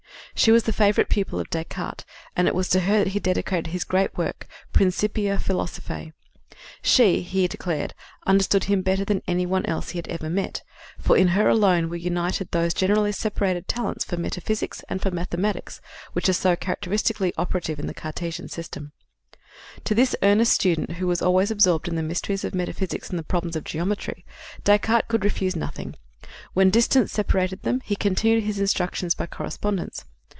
She was the favorite pupil of Descartes, and it was to her that he dedicated his great work, Principia Philosophiæ. She, he declared, understood him better than any one else he had ever met, for "in her alone were united those generally separated talents for metaphysics and for mathematics which are so characteristically operative in the Cartesian system." To this earnest student who was always absorbed in the mysteries of metaphysics and the problems of geometry, Descartes could refuse nothing. When distance separated them he continued his instructions by correspondence.